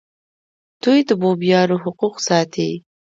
دوی د بومیانو حقوق ساتي.